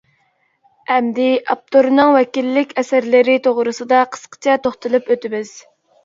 ئەمدى ئاپتورنىڭ ۋەكىللىك ئەسەرلىرى توغرىسىدا قىسقىچە توختىلىپ ئۆتىمىز.